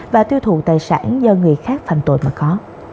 và tiêu thụ tài sản do người khác phạm tội mà có